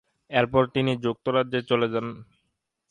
এরপর তিনি যুক্তরাজ্যে চলে যান।